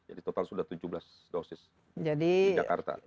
jadi total sudah tujuh belas dosis di jakarta